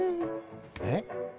えっ？